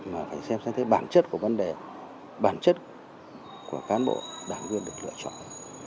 mà phải xem xem thế bản chất của vấn đề bản chất của cán bộ đảng đường được lựa chọn